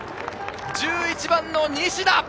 １１番の西田。